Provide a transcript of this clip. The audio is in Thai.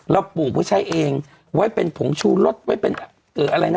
ปลูกไว้ใช้เองไว้เป็นผงชูรสไว้เป็นอะไรนะ